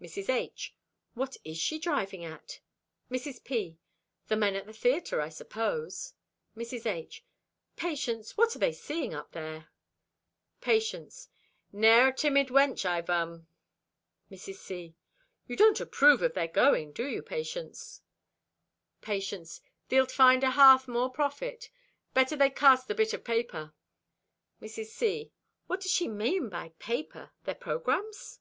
Mrs. H.—"What is she driving at?" Mrs. P.—"The men and the theater, I suppose." Mrs. H.—"Patience, what are they seeing up there?" Patience.—"Ne'er a timid wench, I vum." Mrs. C.—"You don't approve of their going, do you, Patience?" Patience.—"Thee'lt find a hearth more profit. Better they cast the bit of paper." Mrs. C.—"What does she mean by paper? Their programmes?"